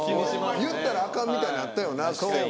言ったらあかんみたいになったよな「クセ」は。